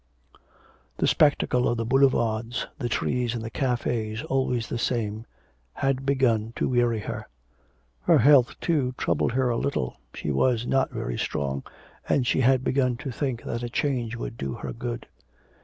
The spectacle of the Boulevards, the trees and the cafes always the same, had begun to weary her. Her health, too, troubled her a little, she was not very strong, and she had begun to think that a change would do her good.